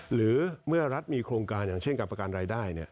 หรือเมื่อรัฐมีโครงการอย่างเช่นกับประกันรายได้